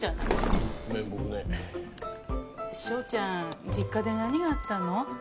翔ちゃん実家で何があったの？